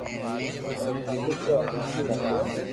گاڌو تو ھالتو رڄئي